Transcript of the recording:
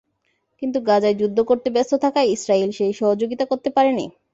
কিন্তু গাজায় যুদ্ধ করতে ব্যস্ত থাকায় ইসরায়েল সেই সহযোগিতা করতে পারেনি।